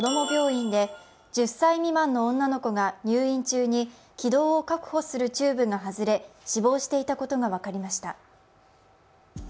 病院で１０歳未満の女の子が入院中に気道を確保するチューブが外れ、死亡していたことが分かりました。